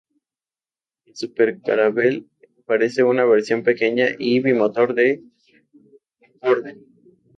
El Super-Caravelle parece una versión pequeña y bimotor del Concorde.